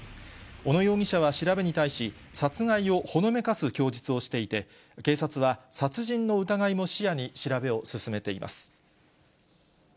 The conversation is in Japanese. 小野容疑者は調べに対し、殺害をほのめかす供述をしていて、警察は殺人の疑いも視野に調べを進めています。